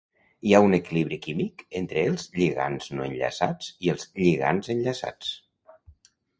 Hi ha un equilibri químic entre els lligands no enllaçats i els lligands enllaçats.